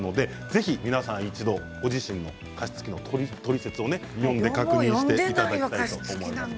ぜひ、皆さん一度ご自身の加湿器のトリセツを読んで確認していただきたいと思います。